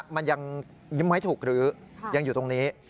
มันยังยิ้มให้ถูกรื้อยังอยู่ตรงนี้